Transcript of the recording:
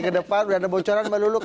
kedepan sudah ada bocoran mbak lulu